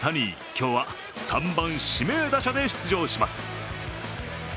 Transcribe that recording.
今日は３番・指名打者で出場します。